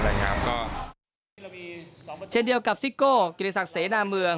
เช่นเดียวกับซิโก้กิติศักดิ์เสนาเมือง